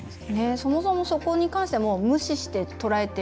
そもそもそこに関しては無視してとらえては